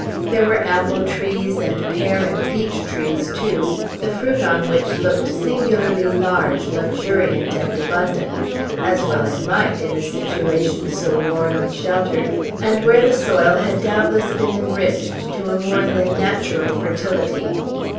There were apple trees, and pear and peach trees, too, the fruit on which looked singularly large, luxuriant, and abundant, as well it might, in a situation so warm and sheltered, and where the soil had doubtless been enriched to a more than natural fertility.